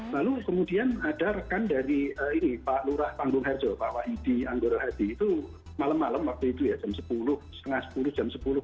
lalu kemudian ada rekan dari ini pak lurah panggung harjo pak wahidi anggoro hadi itu malam malam waktu itu ya jam sepuluh setengah sepuluh jam sepuluh